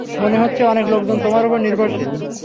মনে হচ্ছে অনেক লোকজন তোমার উপর নির্ভরশীল।